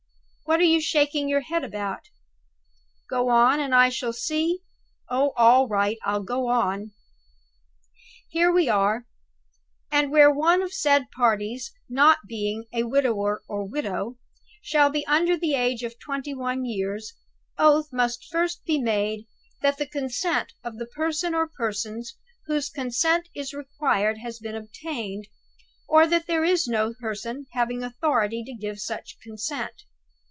What are you shaking your head about? Go on, and I shall see? Oh, all right; I'll go on. Here we are: 'And where one of the said parties, not being a widower or widow, shall be under the age of twenty one years, oath must first be made that the consent of the person or persons whose consent is required has been obtained, or that there is no person having authority to give such consent.